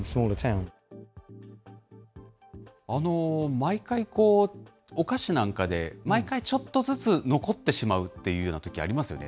毎回こう、お菓子なんかで、毎回ちょっとずつ残ってしまうっていうようなとき、ありますよね。